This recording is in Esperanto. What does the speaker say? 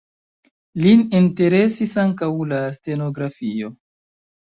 Lin interesis ankaŭ la stenografio.